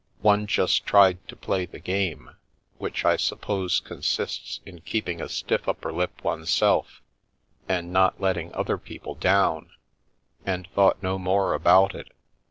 One just tried to play the game, which I suppose consists in keeping a stiff upper lip oneself and not let ting other people down, and thought no more about it.